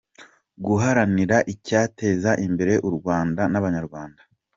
• Guharanira icyateza imbere u Rwanda n’Abanyarwanda.